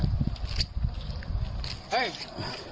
เฮ้ย